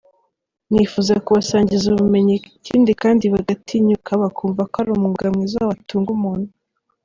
Nifuza kubasangiza ubumenyi ikindi kandi bagatinyuka bakumva ko ari umwuga mwiza watunga umuntu.